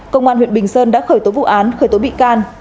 công an huyện bình sơn đã khởi tố vụ án khởi tố bị can